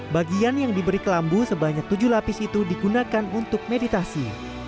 bagian yang diberi kelambu sebanyak tujuh lapis itu digunakan untuk meditasi